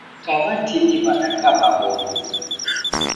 W'aka w'atini w'adakaba w'omi.